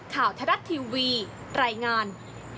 ทรัฐทีวีรายงาน